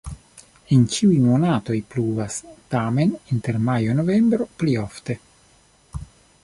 En ĉiuj monatoj pluvas, tamen inter majo-novembro pli ofte.